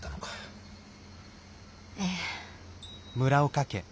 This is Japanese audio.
ええ。